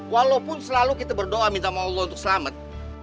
walaupun selalu kita berdoa minta maaf untuk selamat